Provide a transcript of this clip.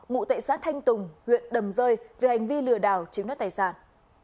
ngụ tệ xác thanh tùng huyện đầm rơi về hành vi lừa đảo chiếm đất tài sản